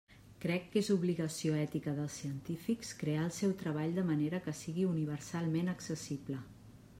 Crec que és obligació ètica dels científics crear el seu treball de manera que sigui universalment accessible.